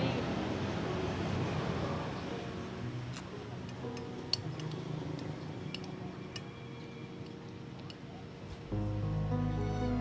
yang banfaat erat